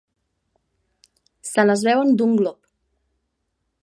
Se les beuen d'un glop.